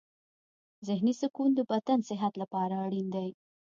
ذهني سکون د بدن صحت لپاره اړین دی.